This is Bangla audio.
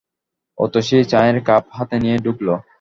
অতসী চায়ের কাপ হাতে নিয়ে ঢুকল।